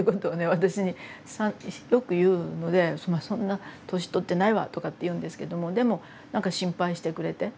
私によく言うので「そんな年とっていないわ」とかって言うんですけどもでも何か心配してくれて。